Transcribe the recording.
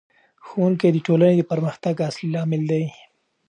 ښوونکی د ټولنې د پرمختګ اصلي لامل دی.